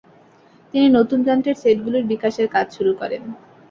তিনি নতুন যন্ত্রের সেটগুলোর বিকাশের কাজ শুরু করেন।